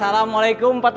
toh yang beri pilihan dulu